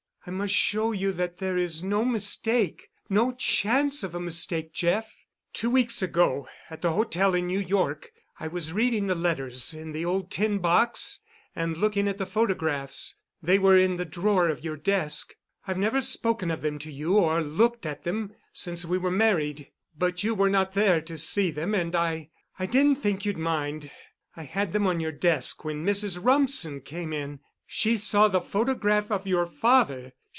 I must show you that there is no mistake—no chance of a mistake, Jeff. Two weeks ago at the hotel in New York I was reading the letters in the old tin box and looking at the photographs. They were in the drawer of your desk. I've never spoken of them to you or looked at them since we were married—but you were not there to see them and—I—I didn't think you'd mind. I had them on your desk when Mrs. Rumsen came in. She saw the photograph of your father.